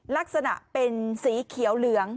ลักษณะเป็นสีเขียวเหลือง